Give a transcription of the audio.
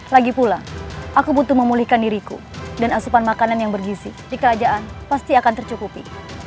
lagi pula aku butuh memulihkan diriku dan asupan makanan yang bergisi di kerajaan pasti akan tercukupi